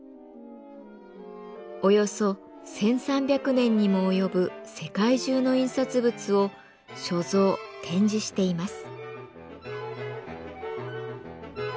およそ１，３００年にも及ぶ世界中の印刷物を所蔵展示しています。